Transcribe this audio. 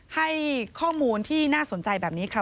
ให้ข้อมูลที่น่าสนใจแบบนี้ค่ะ